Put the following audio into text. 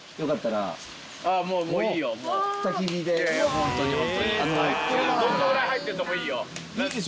もういいよ。